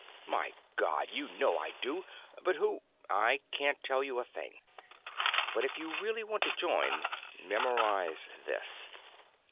"My God, you know I do! But who " "I can't tell you a thing. But if you really want to join, memorize this."